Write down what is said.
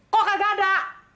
kok kagak ada